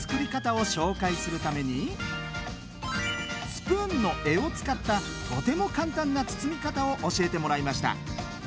スプーンの柄を使ったとても簡単な包み方を教えてもらいました。